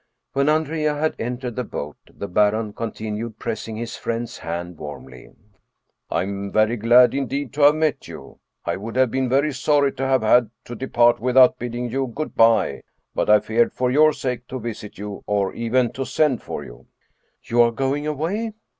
When Andrea had entered the boat the baron continued, pressing his friend's hand warmly, " I am very glad indeed to have 72 Paid Heyse met you. I would have been very sorry to have had to depart without bidding you good by, but I feared for your sake to visit you or even to send for you." " You are going away